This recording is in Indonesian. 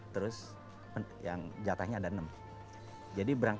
terus yang jatahnya ada enam